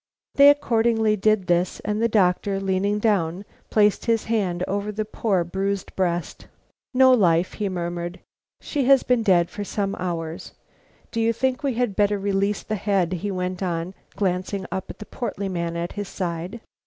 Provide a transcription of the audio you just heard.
They accordingly did this; and the doctor, leaning down, placed his hand over the poor bruised breast. "No life," he murmured. "She has been dead some hours. Do you think we had better release the head?" he went on, glancing up at the portly man at his side.